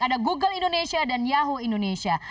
ada google indonesia dan yahoo indonesia